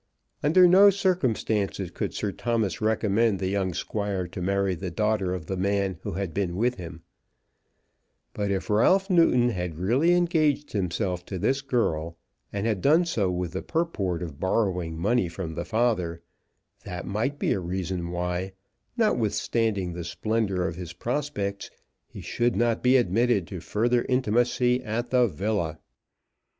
Under no circumstances could Sir Thomas recommend the young Squire to marry the daughter of the man who had been with him; but if Ralph Newton had really engaged himself to this girl, and had done so with the purport of borrowing money from the father, that might be a reason why, notwithstanding the splendour of his prospects, he should not be admitted to further intimacy at the villa.